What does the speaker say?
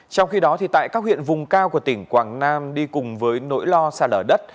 trong khi đó tại các huyện vùng cao của tỉnh quảng nam đi cùng với nỗi lo xả lở đất